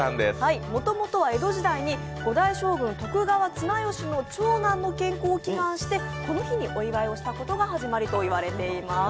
もともとは江戸時代に５代将軍・徳川綱吉の長男の健康を祈願してこの日に祈願したことが始まりといわれています。